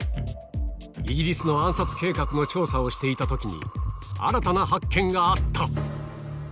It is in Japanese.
イギリスの暗殺計画の調査をしていたときに、新たな発見があった。